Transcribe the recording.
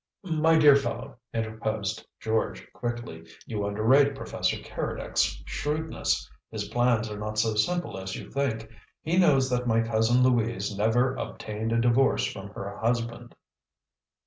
"My dear fellow," interposed George quickly, "you underrate Professor Keredec's shrewdness. His plans are not so simple as you think. He knows that my cousin Louise never obtained a divorce from her husband."